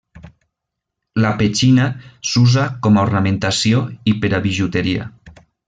La petxina s'usa com a ornamentació i per a bijuteria.